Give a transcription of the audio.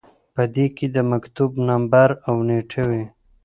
په دې کې د مکتوب نمبر او نیټه وي.